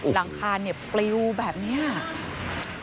หลังคาเนี่ยปลิวแบบนี้